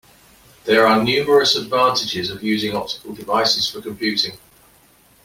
There are numerous advantages of using optical devices for computing.